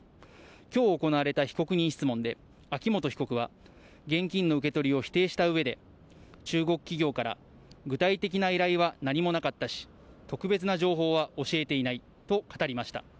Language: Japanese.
きょう行われた被告人質問で、秋元被告は、現金の受け取りを否定したうえで、中国企業から具体的な依頼は何もなかったし、特別な情報は教えていないと語りました。